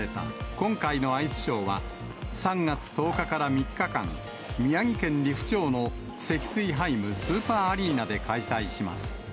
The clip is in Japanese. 今回のアイスショーは、３月１０日から３日間、宮城県利府町のセキスイハイムスーパーアリーナで開催します。